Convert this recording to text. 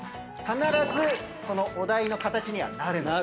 必ずそのお題の形にはなるので。